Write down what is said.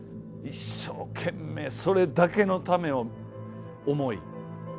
一生懸命それだけのためを思い。